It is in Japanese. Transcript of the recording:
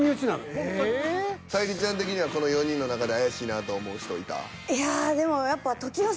沙莉ちゃん的にはこの４人の中で怪しいなと思う人いた？